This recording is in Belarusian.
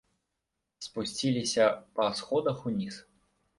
Спусціліся па сходах уніз.